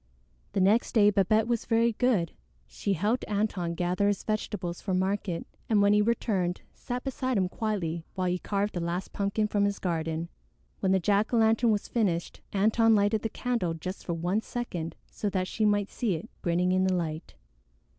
The next day Babette was very good. She helped Antone gather his vegetables for market, and when he returned sat beside him quietly while he carved the last pumpkin from his garden. When the jack o' lantern was finished, Antone lighted the candle just for one second so that she might see it grinning in the light.